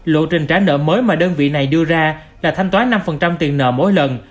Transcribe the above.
lộ trình trả nợ mới mà đơn vị này đưa ra là thanh toán năm tiền nợ mỗi lần